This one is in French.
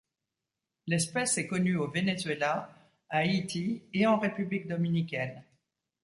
L'espèce est connue au Venezuela, à Haïti et en République dominicaine.